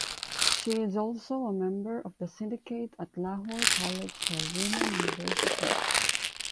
She is also a member of the Syndicate at Lahore College for Women University.